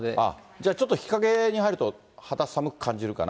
じゃあ、ちょっと日陰に入ると肌寒く感じるかな？